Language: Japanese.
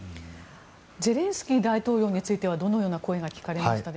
ゼレンスキー大統領についてはどのような声が聞かれましたか？